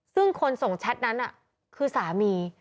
ซึ่งคนส่งแชทนั้นคือสามี